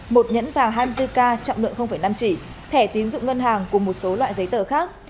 một nhẫn vàng hai mươi bốn k trọng lượng năm chỉ thẻ tín dụng ngân hàng cùng một số loại giấy tờ khác